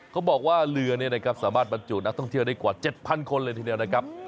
เขาบอกว่าเรือนี้นะครับสามารถบรรจุนักท่องเที่ยวได้กว่า๗๐๐คนเลยทีเดียวนะครับ